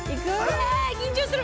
わー、緊張する。